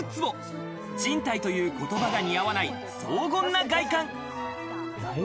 賃貸という言葉が似合わない荘厳な外観。